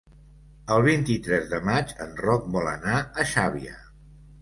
El vint-i-tres de maig en Roc vol anar a Xàbia.